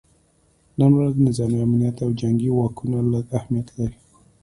نن ورځ نظامي امنیت او جنګي واکونه لږ اهمیت لري